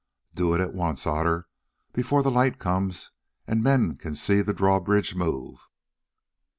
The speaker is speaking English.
Do it at once, Otter, before the light comes and men can see the drawbridge move.